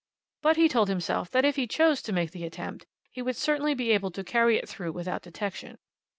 But he told himself, that if he chose to make the attempt, he would certainly be able to carry it through without detection.